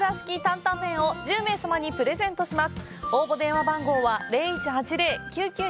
坦々麺を１０名様にプレゼントします。